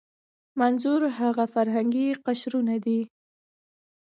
منظور هغه فرهنګي قشرونه دي.